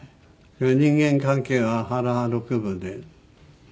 「人間関係は腹六分で」